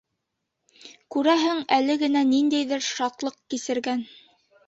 Күрәһең, әле генә ниндәйҙер шатлыҡ кисергән.